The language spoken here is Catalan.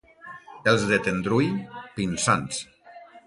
Els de Tendrui, pinsans.